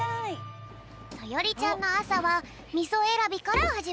そよりちゃんのあさはみそえらびからはじまるよ。